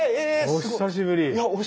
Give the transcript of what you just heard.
お久しぶりです。